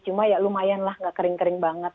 cuma ya lumayan lah nggak kering kering banget